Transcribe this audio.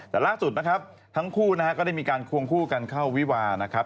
แต่ล่าสุดนะครับทั้งคู่นะฮะก็ได้มีการควงคู่กันเข้าวิวานะครับ